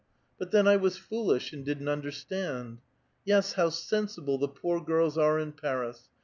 But then I was foolish, and didn't understand. Yes, how sensible the poor girls are in Paris!